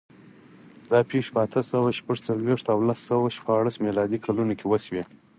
دا پېښې په اته سوه شپږ څلوېښت او لس سوه شپاړس میلادي کلونو وشوې.